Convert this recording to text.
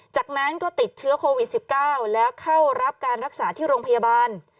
จากนั้นก็ติดเชื้อโควิด๑๙แล้วเข้ารับการรักษาที่โรงพยาบาล